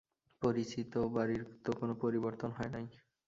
পরিচিত বাড়ির তো কোনো পরিবর্তন হয় নাই।